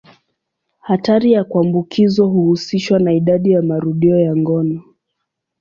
Hatari ya kuambukizwa huhusishwa na idadi ya marudio ya ngono.